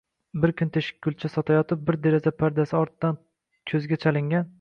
Bir kun teshikkulcha sotayotib bir deraza pardasi ortdan ko'zga chalingan